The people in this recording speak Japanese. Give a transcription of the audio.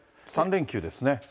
３連休ですね。